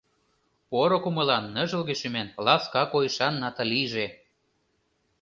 Поро кумылан, ныжылге шӱман, ласка койышан Наталиже.